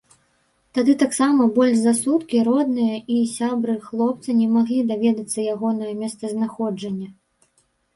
Тады таксама больш за суткі родныя і сябры хлопца не маглі даведацца ягонае месцазнаходжанне.